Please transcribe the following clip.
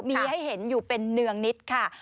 มีให้เห็นอยู่เป็นเนืองนิดค่ะ